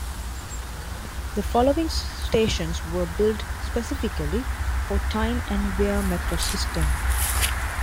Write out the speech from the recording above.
The following stations were built specifically for the Tyne and Wear Metro system.